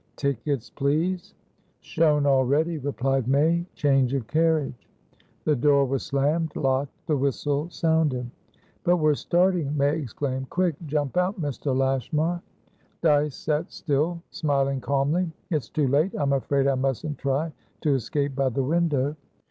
"Tickets, please." "Shown already," replied May. "Change of carriage." The door was slammed, locked. The whistle sounded. "But we're starting!" May exclaimed. "Quick! Jump out, Mr. Lashmar!" Dyce sat still, smiling calmly. "It's too late, I'm afraid I mustn't try to escape by the window."